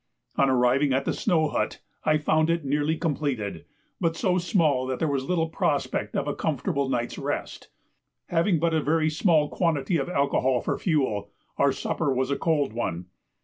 On arriving at the snow hut I found it nearly completed, but so small that there was little prospect of a comfortable night's rest. Having but a very small quantity of alcohol for fuel, our supper was a cold one.